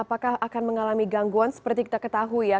apakah akan mengalami gangguan seperti kita ketahui ya